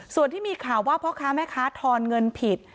ส่วนที่มีข่าวว่าพ่อค้าแม่ค้าทอนเงินผิด